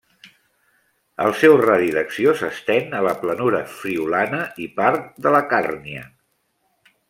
El seu radi d'acció s'estén a la planura friülana i part de la Càrnia.